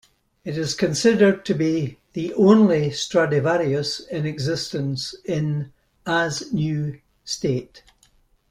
It is considered to be the only Stradivarius in existence in "as new" state.